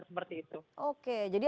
oke jadi ada antara